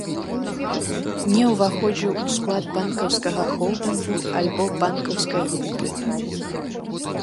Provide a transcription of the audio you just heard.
Не ўваходзіў у склад банкаўскага холдынгу, альбо банкаўскай групы.